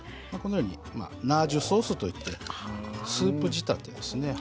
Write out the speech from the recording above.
ナージュソースといってスープ仕立てですね。